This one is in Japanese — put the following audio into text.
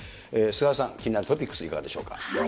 菅原さん、気になるトピックスいかがでしょうか。